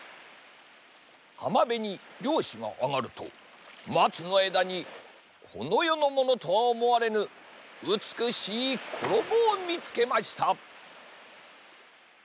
はまべにりょうしがあがるとまつのえだにこのよのものとはおもわれぬうつくしいころもをみつけました。